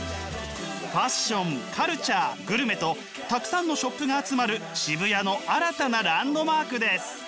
ファッションカルチャーグルメとたくさんのショップが集まる渋谷の新たなランドマークです！